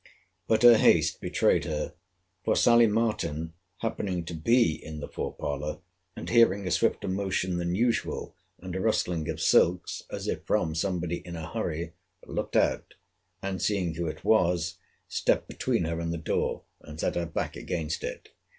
But her haste betrayed her: for Sally Martin happening to be in the fore parlour, and hearing a swifter motion than usual, and a rustling of silks, as if from somebody in a hurry, looked out; and seeing who it was, stept between her and the door, and set her back against it.